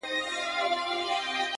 ما وتا بېل كړي سره،